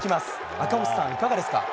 赤星さん、いかがですか？